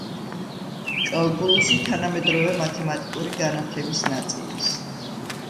კალკულუსი თანამედროვე მათემატიკური განათლების ნაწილის.